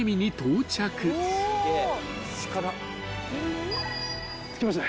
着きましたね。